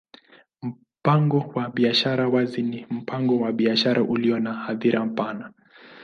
Mpango wa biashara wazi ni mpango wa biashara ulio na hadhira pana.